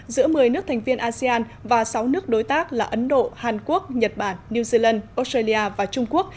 giữa một mươi nước thành viên asean và sáu nước đối tác là ấn độ hàn quốc nhật bản new zealand australia và trung quốc